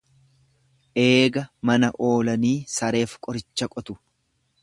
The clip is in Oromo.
Eega mana oolanii sareef qoricha qotu.